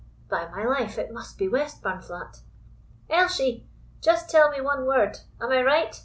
By My life, it must be Westburnflat. "Elshie, just tell me one word. Am I right?